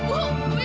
ibu kenapa sih